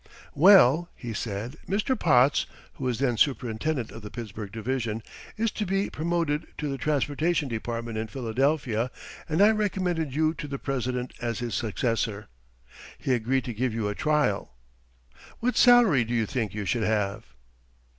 "Well," he said, "Mr. Potts" (who was then superintendent of the Pittsburgh Division) "is to be promoted to the transportation department in Philadelphia and I recommended you to the president as his successor. He agreed to give you a trial. What salary do you think you should have?"